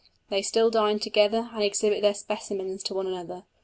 They still dine together and exhibit their specimens to one another.